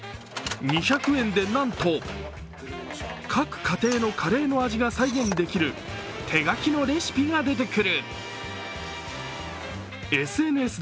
２００円で、なんと各家庭のカレーの味が再現できる手書きのレシピが出てくる。